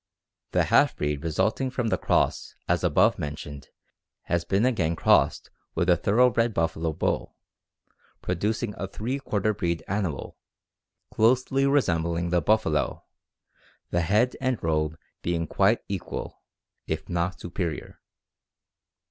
"The half breed resulting from the cross as above mentioned has been again crossed with the thoroughbred buffalo bull, producing a three quarter breed animal closely resembling the buffalo, the head and robe being quite equal, if not superior.